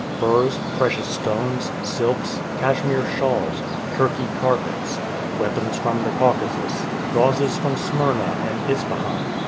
Furs, precious stones, silks, Cashmere shawls, Turkey carpets, weapons from the Caucasus, gauzes from Smyrna and Ispahan.